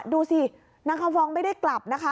ดูสินางคำฟองไม่ได้กลับนะคะ